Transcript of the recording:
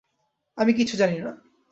আমি কিচ্ছু জানি না।